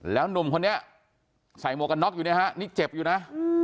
แล้วหนุ่มคนนี้ใส่หมวกกันน็อกอยู่เนี่ยฮะนี่เจ็บอยู่นะ